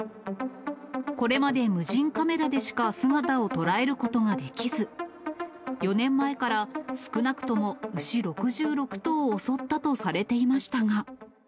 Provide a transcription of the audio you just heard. これまで無人カメラでしか姿を捉えることができず、４年前から少なくとも牛６６頭を襲ったとされていましたが。